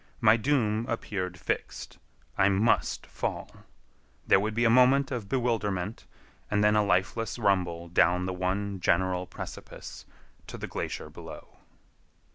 My doom appeared fixed. I must fall. There would be a moment of bewilderment, and then a lifeless rumble down the one general precipice to the glacier below.